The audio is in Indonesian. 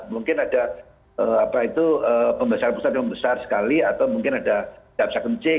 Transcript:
mungkin ada pembesaran pusat yang besar sekali atau mungkin ada jaksa kencing